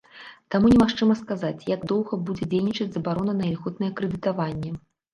Таму немагчыма сказаць, як доўга будзе дзейнічаць забарона на ільготнае крэдытаванне.